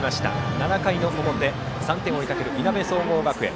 ７回の表３点を追いかけるいなべ総合学園。